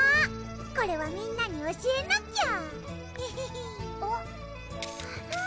これはみんなに教えなきゃ！